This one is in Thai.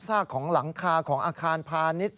ของหลังคาของอาคารพาณิชย์